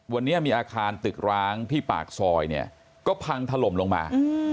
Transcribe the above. วันนี้มีอาคารตึกร้างที่ปากซอยเนี่ยก็พังถล่มลงมา